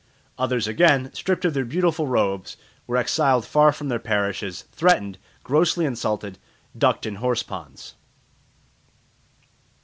Others again, stripped of their beautiful robes, were exiled far from their parishes, threatened, grossly insulted, ducked in horse ponds.